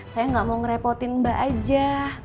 saya nggak mau ngerepotin mbak aja